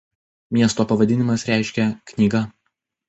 Miesto pavadinimas reiškia „knyga“.